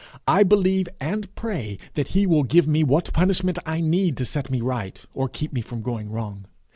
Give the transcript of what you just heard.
I believe and pray that he will give me what punishment I need to set me right, or keep me from going wrong.